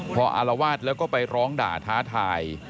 พออารวาสแล้วก็ไปร้องด่าท้าทาย